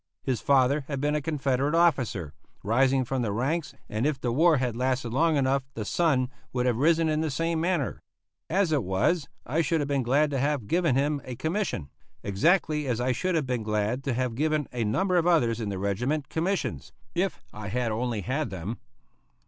His father had been a Confederate officer, rising from the ranks, and if the war had lasted long enough the son would have risen in the same manner. As it was, I should have been glad to have given him a commission, exactly as I should have been glad to have given a number of others in the regiment commissions, if I had only had them.